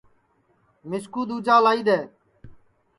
مِسکُو دؔوجا لائی دؔے